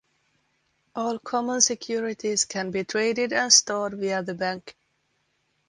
All common securities can be traded and stored via the bank.